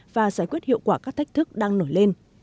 và giải quyết hiệu quả các thách thức đang nổi lên